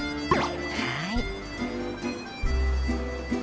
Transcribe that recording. はい。